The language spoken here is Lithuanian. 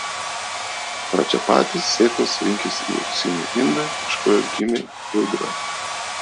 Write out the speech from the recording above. Pradžapatis sėklą surinkęs į auksinį indą iš kurio gimė Rudra.